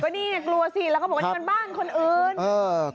นี่ไงกลัวสิแล้วก็บอกว่านี่มันบ้านคนอื่นเออ